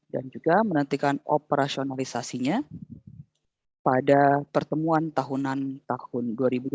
dan juga menentikan operasionalisasinya pada pertemuan tahunan tahun dua ribu dua puluh